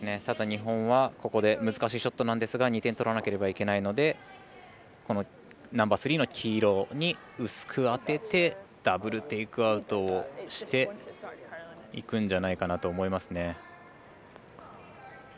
ただ、日本はここで難しいショットなんですが２点取らなければいけないのでこのナンバースリーの黄色に薄く当ててダブル・テイクアウトをしていくんじゃないかなと思いますね。